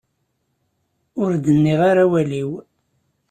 Ur d-nniɣ ara awal-iw.